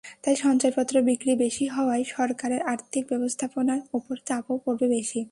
তাই সঞ্চয়পত্র বিক্রি বেশি হওয়ায় সরকারের আর্থিক ব্যবস্থাপনার ওপর চাপও পড়বে বেশি।